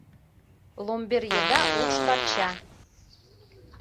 Ломбер еда — укш-парча